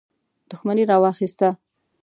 دښمني راواخیسته.